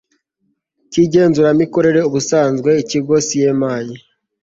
cy igenzuramikorere ubusanzwe Ikigo CMA